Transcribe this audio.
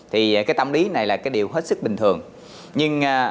thì cái tâm lý này là cái điều hết sức bình thường nhưng